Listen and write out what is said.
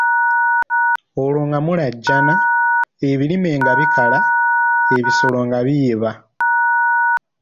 "Olwo nga mulaajana, ebirime nga bikala, ebisolo nga biyeba."